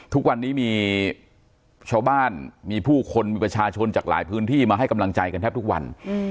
ทุกวันนี้มีชาวบ้านมีผู้คนมีประชาชนจากหลายพื้นที่มาให้กำลังใจกันแทบทุกวัน